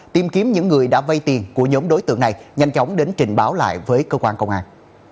tìm kiếm những người đã vay tiền của nhóm đối tượng này nhanh chóng đến trình báo lại với cơ quan công an